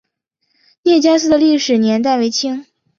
聂家寺的历史年代为清。